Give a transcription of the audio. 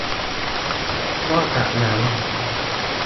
นอกจากนั้น